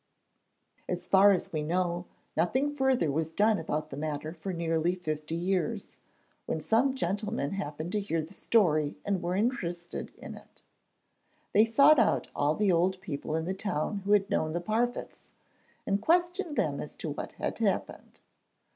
As far as we know, nothing further was done about the matter for nearly fifty years, when some gentlemen happened to hear the story and were interested in it. They sought out all the old people in the town who had known the Parfitts and questioned them as to what had happened.